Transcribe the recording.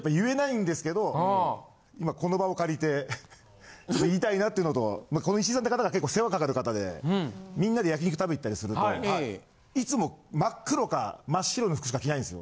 今この場を借りてちょっと言いたいなっていうのとこの石井さんって方が結構世話かかる方でみんなで焼肉食べ行ったりするといつも真っ黒か真っ白の服しか着ないんですよ。